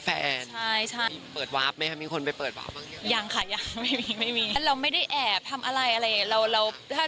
แล้วเราไม่ได้แอบทำอะไรอะไร